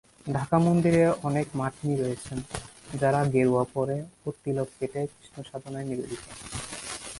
ঢাকার মন্দিরে অনেক মার্কিনি রয়েছেন, যাঁরা গেরুয়া পরে ও তিলক কেটে কৃষ্ণসাধনায় নিবেদিত।